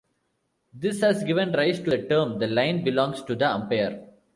This has given rise to the term the line belongs to the umpire.